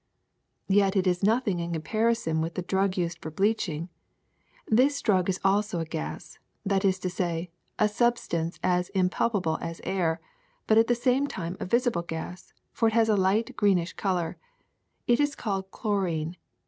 '' *^Yet it is nothing in comparison with the drug used for bleaching. This drug is also a gas — that is to say, a substance as impalpable as air, but at the same time a visible gas, for it has a light greenish color. It is called chlorine.